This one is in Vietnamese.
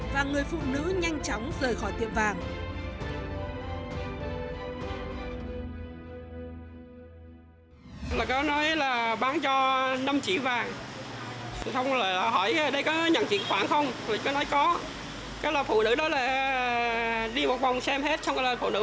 và người phụ nữ nhanh chóng rời khỏi tiệm vàng